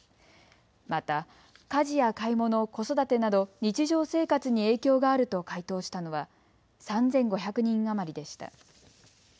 また家事や買い物、子育てなど日常生活に影響があると回答したのは３５００人余りでした。